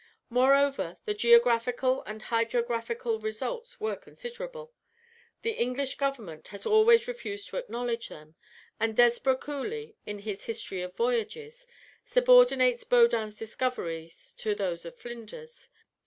Moreover, the geographical and hydrographical results were considerable. The English Government has always refused to acknowledge them, and Desborough Cooley, in his "History of Voyages," subordinates Baudin's discoveries to those of Flinders.